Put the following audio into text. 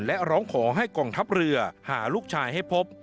และร้องขอให้กองทัพเรือหาลูกชายให้พบ